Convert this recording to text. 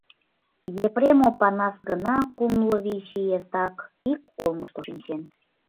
Епрем Опанас гына кумло вич ий эртак ик олмышто шинчен.